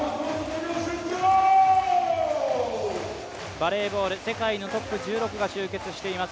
バレーボール、世界のトップ１６が集結しています。